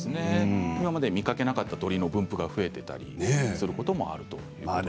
見かけなかった鳥の分布が増えていたりすることもある。